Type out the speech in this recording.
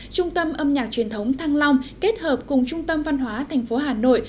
trung tâm âm nhạc truyền thống thăng long kết hợp cùng trung tâm văn hóa tp hà nội